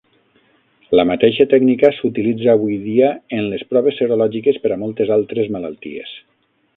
La mateixa tècnica s'utilitza avui dia en les proves serològiques per a moltes altres malalties.